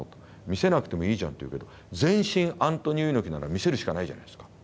見せなくてもいいじゃんと言うけど全身アントニオ猪木なら見せるしかないじゃないですか。